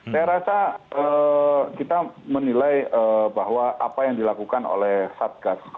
saya rasa kita menilai bahwa apa yang dilakukan oleh satgas